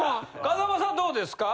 風間さんどうですか？